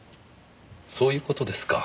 そういう事ですか。